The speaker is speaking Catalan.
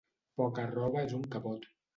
Poca roba és un capot.